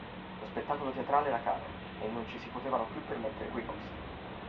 Lo spettacolo teatrale era caro e non ci si potevano più permettere quei costi.